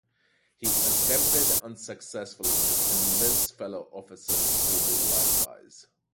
He attempted unsuccessfully to convince fellow officers to do likewise.